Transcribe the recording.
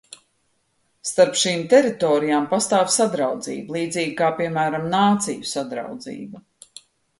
Starp šīm teritorijām pastāv sadraudzība, līdzīgi kā, piemēram, Nāciju Sadraudzība.